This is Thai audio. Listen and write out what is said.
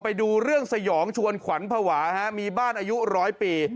ไปดูเรื่องสยองชวนขวัญภาวะมีบ้านอายุร้อยปี